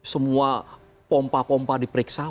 semua pompa pompa diperiksa